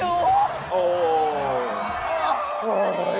โอ้โห